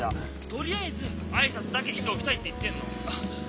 ☎とりあえず挨拶だけしておきたいって言ってんの。